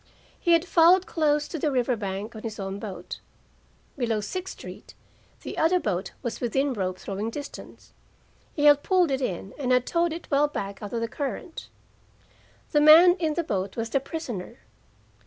He had followed close to the river bank in his own boat. Below Sixth Street the other boat was within rope throwing distance. He had pulled it in, and had towed it well back out of the current. The man in the boat was the prisoner.